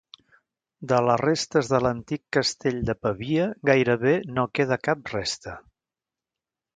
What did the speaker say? De les restes de l'antic castell de Pavia gairebé no queda cap resta.